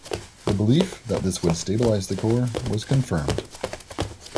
The belief that this would stabilize the core was confirmed.